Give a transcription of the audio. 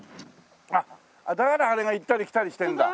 あっだからあれが行ったり来たりしてるんだ。